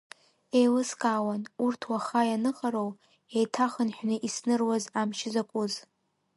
Еилыскаауан, урҭ уаха ианыхароу, еиҭахынҳәны исныруаз амч закәыз…